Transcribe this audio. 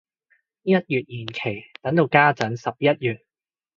一月延期等到家陣十一月